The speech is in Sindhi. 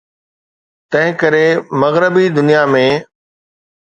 تنهنڪري مغربي دنيا ۾.